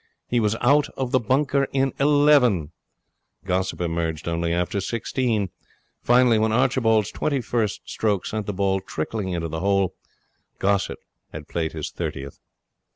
He was out of the bunker in eleven. Gossett emerged only after sixteen. Finally, when Archibald's twenty first stroke sent the ball trickling into the hole, Gossett had played his thirtieth.